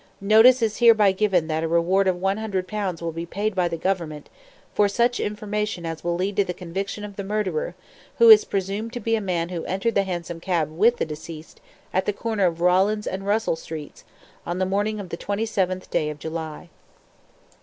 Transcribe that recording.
Notice is hereby given that a reward of 100 pounds will be paid by the Government for such information as will lead to the conviction of the murderer, who is presumed to be a man who entered the hansom cab with the deceased at the corner of Collins and Russell Streets, on the morning of the 27th day of July."